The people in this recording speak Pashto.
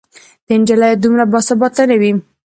د نجلۍ یاري دومره باثباته نه وي